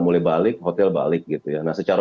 mulai balik hotel balik gitu ya nah secara